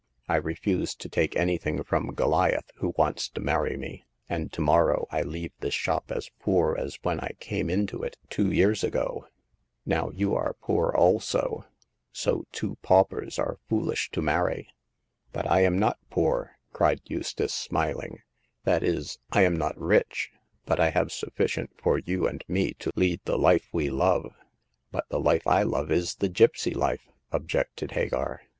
I refuse to take anything from Goliath, who wants to marry me ; and to morrow I leave this shop as poor as when I came into it two years ago. Now, you are poor also ; so two paupers are foolish to marry." 282 Hagar of the Pawn Shop. But I am not poor !" cried Eustace, smiling —that is, I am not rich, but I have sufficient for you and me to lead the life we love/' But the life I love is the gipsy life," objected Hagar.